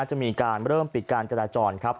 จะมีการเริ่มปิดการจราจรครับ